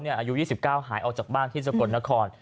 อายุ๒๙หายออกจากบ้านที่สกลนคร